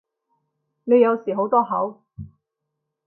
你有時好多口